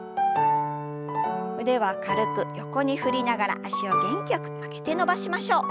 腕は軽く横に振りながら脚を元気よく曲げて伸ばしましょう。